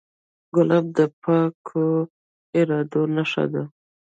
ګلاب د پاکو ارادو نښه ده.